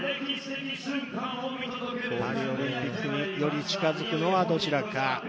パリオリンピックにより近づくのはどちらか。